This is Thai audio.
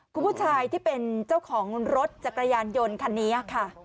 คุณผู้ชายที่เป็นเจ้าของรถจักรยานยนต์คันนี้ค่ะ